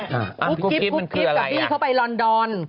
คุกกิ๊บกับพี่เขาไปลอนดอน